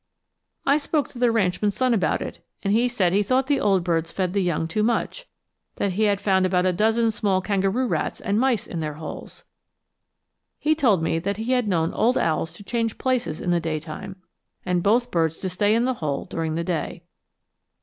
I spoke to the ranchman's son about it, and he said he thought the old birds fed the young too much, that he had found about a dozen small kangaroo rats and mice in their holes! He told me that he had known old owls to change places in the daytime, and both birds to stay in the hole during the day.